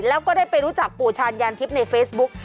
แล้วก็ได้ไปรู้จักปู่ชาญยานทิพย์ในเฟซบุ๊ก